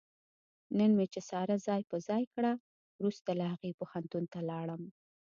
نن مې چې ساره ځای په ځای کړه، ورسته له هغې پوهنتون ته ولاړم.